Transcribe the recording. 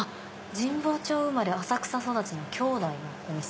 「神保町生まれ浅草育ちの兄弟のお店」。